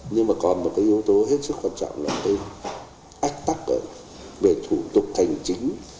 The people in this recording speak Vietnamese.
nhưng mà còn một cái yếu tố hết sức quan trọng là từ ách tắc về thủ tục hành chính